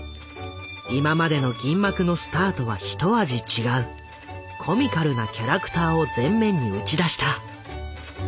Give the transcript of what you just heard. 今までの銀幕のスターとは一味違うコミカルなキャラクターを前面に打ち出した。